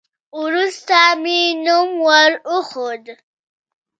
وروسته مې نوم ور وښود.